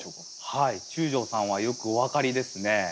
はい中條さんはよくお分かりですね。というと？